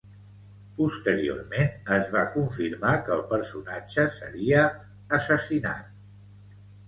Posteriorment, es va confirmar que el personatge seria assassinat.